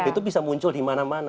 itu bisa muncul di mana mana